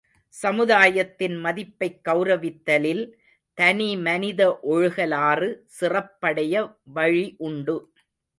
சமுதாயத்தின் மதிப்பைக் கெளரவித்தலில் தனிமனித ஒழுகலாறு சிறப்படைய வழி உண்டு.